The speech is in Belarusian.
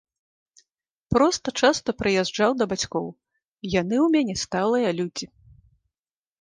Проста часта прыязджаў да бацькоў, яны ў мяне сталыя людзі.